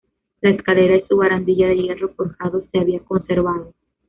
La escalera y su barandilla de hierro forjado se habían conservado.